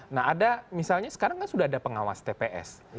nah ada misalnya sekarang kan sudah ada pengawas tps